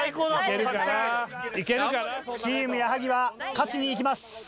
チーム矢作は勝ちにいきます。